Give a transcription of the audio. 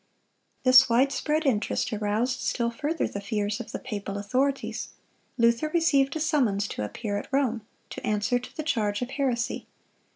This wide spread interest aroused still further the fears of the papal authorities. Luther received a summons to appear at Rome, to answer to the charge of heresy.